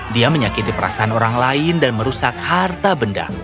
dia menyakiti perasaan orang lain dan merusak harta benda